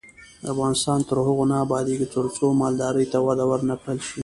افغانستان تر هغو نه ابادیږي، ترڅو مالدارۍ ته وده ورنکړل شي.